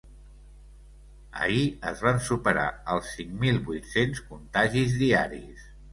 Ahir es van superar els cinc mil vuit-cents contagis diaris.